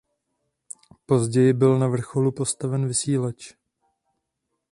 Později byl na vrcholu postaven vysílač.